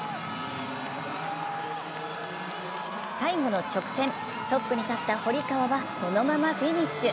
最後の直線、トップに立った堀川はそのままフィニッシュ。